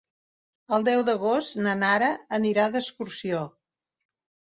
El deu d'agost na Nara anirà d'excursió.